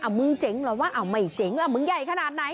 มึงเจ๋งเหรอวะไม่เจ๋งอ่ะมึงใหญ่ขนาดไหน